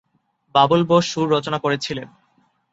বাবুল বোস সুর রচনা করেছিলেন।